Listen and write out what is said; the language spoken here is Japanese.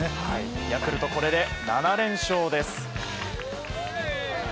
ヤクルト、これで７連勝です。